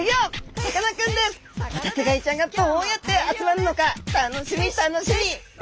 ホタテガイちゃんがどうやって集まるのか楽しみ楽しみ！